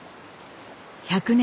１００年